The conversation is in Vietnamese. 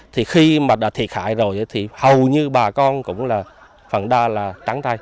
thì khi mà đã thiệt hại rồi thì hầu như bà con cũng là phần đa là trắng tay